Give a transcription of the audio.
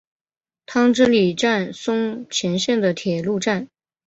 汤之里站松前线的铁路站。